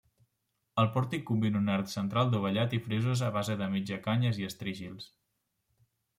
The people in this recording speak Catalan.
El pòrtic combina un arc central dovellat i frisos a base de mitjacanyes i estrígils.